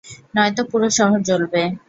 নয়তো পুরো শহর জ্বলবে!